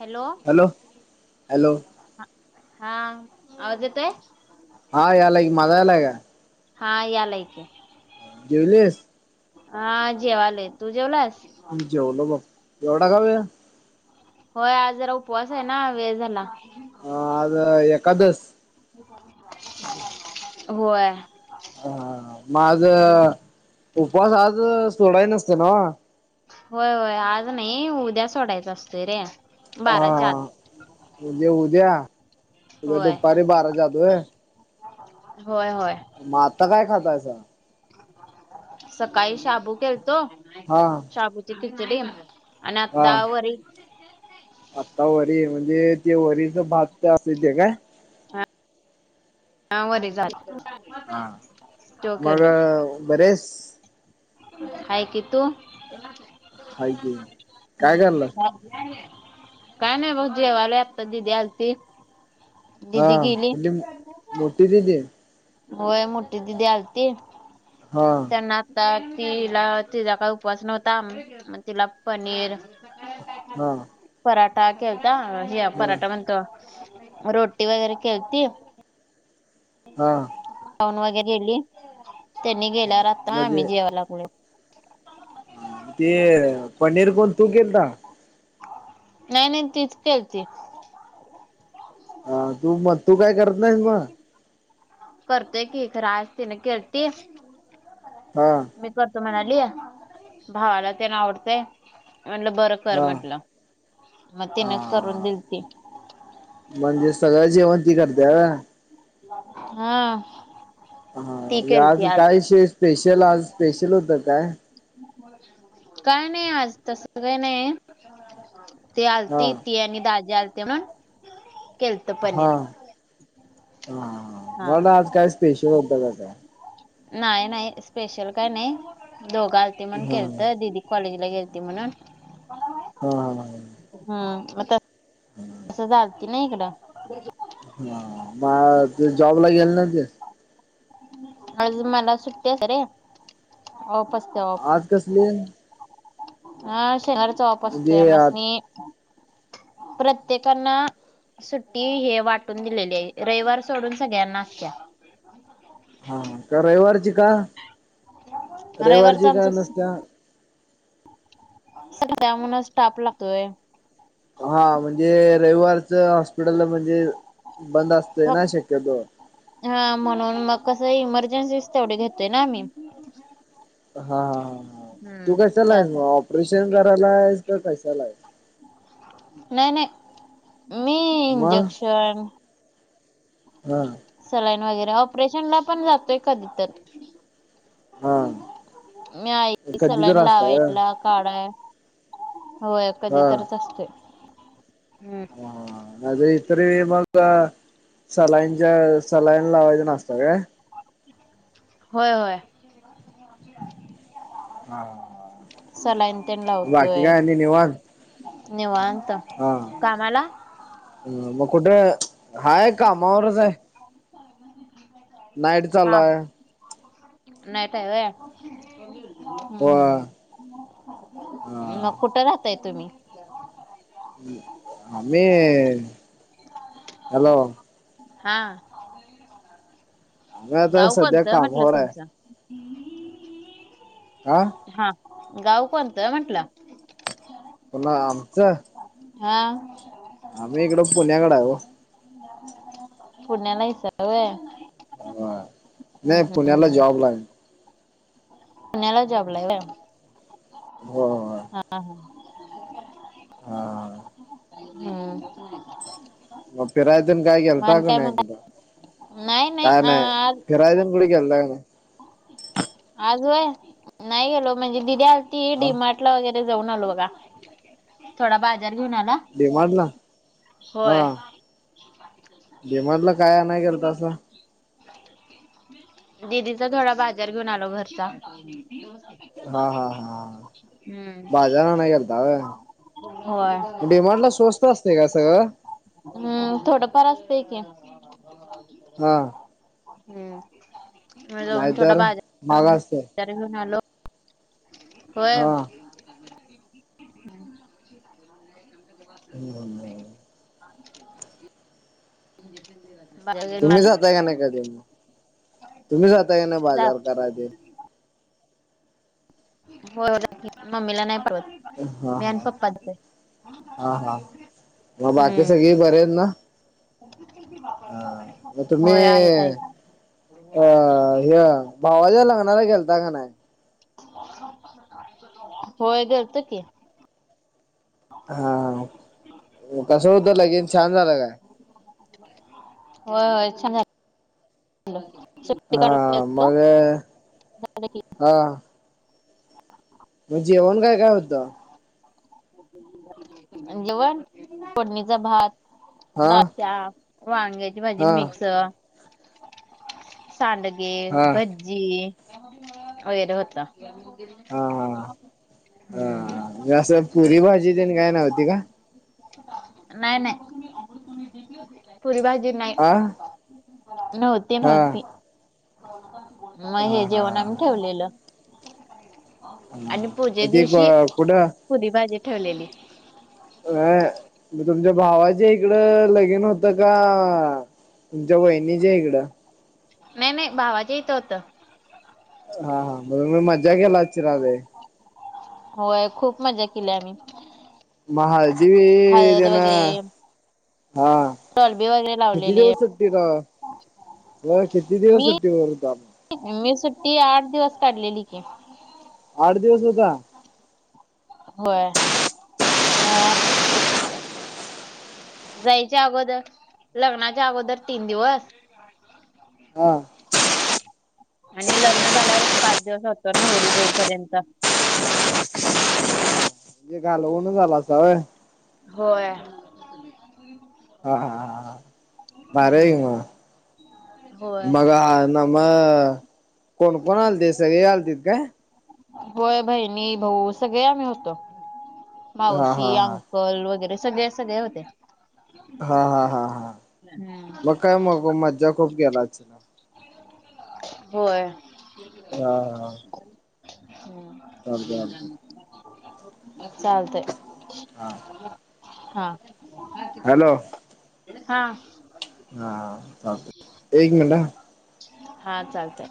Hello, hello हा आज येतोय, हा याला की माझा यायलाय का. हा यायलाय की? जेवलीस हा जेवालोय तू जेवलास? जेवलो बघ एवढा का वेळ? होय आज जरा उपवास आहे ना वेळ झाला. हा आज एकादस होय. हा म आज हम्म. उपवास आज सोडाय नसतोय न्हव होय होय आज नाही उद्या सोडायचं असतंय रे बाराच्या आत उद्या उद्या म्हणजे उद्या होय दुपारी बाराच्या आत होय होय.? म आता काय खातायसा? सकाळी शाबू केलतो हा शाबूची खिचडी आणि आता वर आत्ता वरी म्हणजे, ते वरीच भात ते असतय ते काय? हा वरीचा [unintelligible] हा मग बरी आहेस? हाय कि तू हम्म हाय की काय करायलास काय नाही बघ जेवालोय आता दीदी आलती. हा दिदी गेली कुठली मग मोठी दीदी [unintelligible] होय मोठी दीदी आलती. हा हा. त्यांना आता तिला तिचा काय उपवास नव्हता, मग तिला पनीर हा. पराठा केलता? हे बर पराठा म्हणतो, रोटी वगैरे केलती हा. खाऊन वगैरे गेली त्यांनी हा गेल्यावर आता म्हणजे आम्ही जेवा लागलोय. हा, ते पनीर कोण तू केलता नाही नाही तिच केलती.? हा तू म तू काय करत नाहीस मग करतोय की खर आज तिने केलती हा. मी करतो म्हणाली. भावाला तेन आवडतंय म्हटलं बर कर हा म्हटलं मग तिनच करून हा दिलती म्हणजे सगळं जेवण ती करतिया होय हा. हा ती केलती आज कायशी स्पेशल आज स्पेशल होतं काय? काय नाही आज तस काही नाही. ती हा आलती. ती आणि दाजी आलते ना. हा, हा हा हा, म्हटल आज काय स्पेशल होत का काय? नाही नाही स्पेशल काय नाही. दोघ आलती म्हणून हा केलत. दिदी कॉलेजला गेलती म्हणून हा हा हम्म आता [unintelligible] तसच आलती न इकड. हा बा, जॉबला गेले नव्हते? आज मला सुट्टी आहे रे. ऑफ असतय ऑफ. आज कसली? हा शनिवार चा ऑफ असतो म्हणजे आ आमासनी. प्रत्येकांना सुट्टी हे वाटून दिलेली आहे. रविवार सोडून सगळ्यांना असत्या. हा का रविवारची का, रविवारच रविवारची का आमचं नसत्या. सगळ्या म्हणुन स्टाप लागतोय. हा म्हणजे, रविवारच हॉस्पिटल म्हणजे बंद असतय ना शक्यतोवर. हा म्हणून मग कस इमर्जन्सी तेवढी घेतोय ना मी. हा हा तू हम्म कशाला आहेस मग त्यासाठी ऑपरेशन करायला आहेस का कशाला आहेस. नाही नाही मी मग इंजेक्शन हा सलाईन वगैरे ऑपरेशन ला पण जातोय कधी तर. हा मी आहे की कधी तर सलाईन असता व्हय. लावायला. काढाया. होय कधी हा तरच असतोय. हम्म ह, इतर मग सलाईन ज्या सलाईन लावायला अस सगळ होय होय हा हा सलाईन तेन बाकी लावतोय काय आणि निवांत. निवांत कामाला ह मग कुठे, हाय कामावरच आहे. नाईट चालू हा. हाय. नाईट हाय व्हय. हम्म हम्म होय हम्म हा मग कुठ राहताय तुम्ही? आम्ही हॅलो हा आम्ही आता गाव सध्या कोणतय म्हटल कामावर आहे तुमच. अ हा, गाव कोणत आहे म्हटल? कुणा आमच? हा आम्ही इकड पुण्याकड आहे हो. पुण्याला हायसा होय. नाही पुण्याला हम्म जॉबला हाय. पुण्याला जॉबला हाय होय. हो. हा हा. हा हम्म मग फिराय तेन काय गेलता आणि कि काय नाय कुठं. म्हणता नाही नाही काय अ नाय, आज फिरायला तेन कुठं गेलंता का नाय. आज होय नाही गेलो, म्हणजे दीदी आलती डीमार्ट ला हा डी मार्ट ला वगैरे जाऊन आलो बघा. थोडा बाजार घेऊन आला. डी मार्ट ला. होय. डी मार्ट ला काय आणायला गेलतासा. दिदीचा थोडा बाजार घेऊन आलो घरचा. हा हा हा हम्म बाजार आणायला गेलता होय. होय डिमार्ट ला स्वस्त असतय का सगळं. हम्म थोडंफार असतंय की. हा. हम्म. नाहीतर महाग असतंय. तरीबी म्हटलो. होय. हा [inaudible] [unintelligible] [inaudible] [inaudible] तुम्ही जाताय आलो का नाही कधी मग, तुम्ही जाताय का नाही जा बाजार कराय तेन. होय जातोय की मम्मीला नाही पाठवत. हा मी आणि -हा पप्पाच आहे -हा -हा. मग बाकी हम्म सगळी बरे आहेत ना. हा मग तुम्ही होय आहेत आहेत अ हे. भावाच्या लग्नाला गेलता का नाही. होय गेलतो की. हा कसं होतं लगीन छान झालं काय [inaudible] होय जाते. हा काढून गेलतो मग हा. मग जेवण काय काय होतं. जेवण फोडणीचा भात हा दालच्या, वांग्याची भाजी हा मिक्स सांडगे हा हा भज्जी वगैरे होतं. हा-हा-हा-हा असं पुरी भाजी तेन काय नव्हती का. नाही नाही पुरी भाजी नाही. आ नव्हती हा नव्हती, मग हा हे हा जेवण आम्ही हा ठेवलेलं. हा आणि पूजे मग ते दिवशी कुठं. पुरी भाजी ठेवलेली. व्हय मग तुमच्या भावाच्या इकडं लगिन होतं का तुमच्या वहिनीच्या इकडं. नाही नाही भावाच्या इथं होतं. हा हा, मग मी मज्जा केला [unintelligible] लैई. होय, खूप मज्जा केली आम्ही. म हाळदी वि हळद तेनं, वगैरे हां. टॉलबी वगैरे किती लावलेले दिवस सुट्टी, ग होय किती दिवस मी सुट्टीवर होतो आप मी सुट्टी, आठ दिवस काढलेली की. आठ दिवस होता? होय, आ. जायच्या अगोदर, लग्नाच्या अगोदर, तीन दिवस आ? आणि लग्न झाल्यावर, एक पाच दिवस होतो, नवरी जाऊपर्यंत. म्हणजे घालवूनच, आलासा व्हय? होय. हा हा हा हा, भारी य की हम्म मग, होय मग हा न म कोण-कोण आलते, सगळी आलतीत काय? होय, बहिणी भाऊ सगळे आम्ही होतो, हा हा मावशी अ्ं हा कल वगैरे, सगळे-सगळे होते. हा हा हा हा, मग काय, मग मज्जा खूप केलाच होय. [unintelligible] चालतंय चालतंय चालतय हा. हा. हॅलो? हा. हा चालत, एक मिनट हं. हा चालतय.